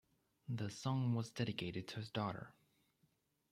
The song was dedicated to his daughter.